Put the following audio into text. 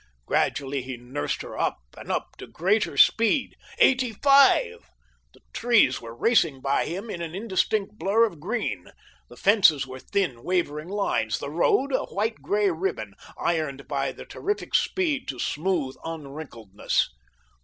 Gradually he nursed her up and up to greater speed. Eighty five! The trees were racing by him in an indistinct blur of green. The fences were thin, wavering lines—the road a white gray ribbon, ironed by the terrific speed to smooth unwrinkledness.